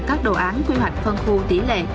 các đồ án quy hoạch phân khu tỷ lệ